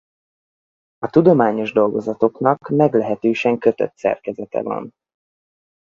A tudományos dolgozatoknak meglehetősen kötött szerkezete van.